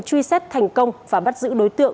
truy xét thành công và bắt giữ đối tượng